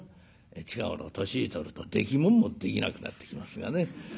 近頃年取るとできもんもできなくなってきますがね。